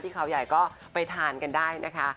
เขาใหญ่ก็ไปทานกันได้นะคะ